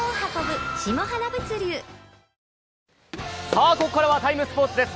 さあ、ここからは「ＴＩＭＥ，スポーツ」です。